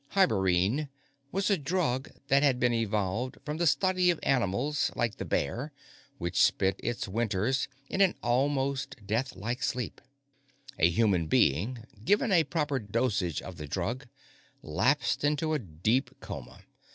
Hibernene was a drug that had been evolved from the study of animals like the bear, which spent its winters in an almost death like sleep. A human being, given a proper dosage of the drug, lapsed into a deep coma.